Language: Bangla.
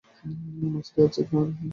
মাঝারি আঁচে সাবধানে নাড়তে হবে।